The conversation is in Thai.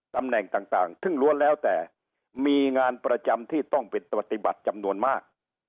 ตำแหน่งต่างซึ่งล้วนแล้วแต่มีงานประจำที่ต้องเป็นปฏิบัติจำนวนมาก